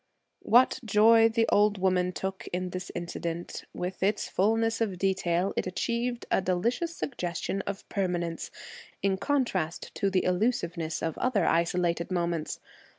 What joy the old woman took in this incident! With its fullness of detail, it achieved a delicious suggestion of permanence, in contrast to the illusiveness of other isolated moments.